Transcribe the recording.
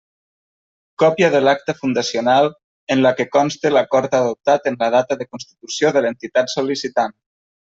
Còpia de l'acta fundacional, en la que conste l'acord adoptat en la data de constitució de l'entitat sol·licitant.